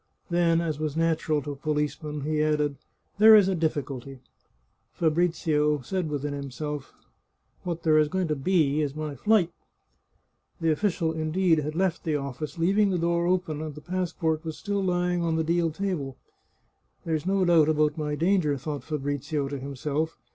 Then, as was natural to a policeman, he added, " There is a difficulty." Fabrizio said within himself, " What there is going to be, is my flight." ao3 The Chartreuse of Parma The official, indeed, had left the office, leaving the door open, and the passport was still lying on the deal table. " There's no doubt about my danger," thought Fabrizio to himself.